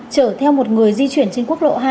chở theo một người di chuyển trên quốc lộ hai